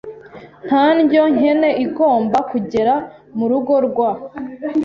Nta ndyo nkene igomba kugera mu rugo rwa